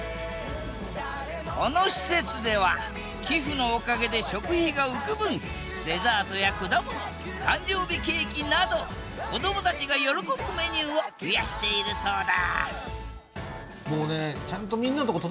この施設では寄付のおかげで食費が浮く分デザートや果物誕生日ケーキなど子どもたちが喜ぶメニューを増やしているそうだ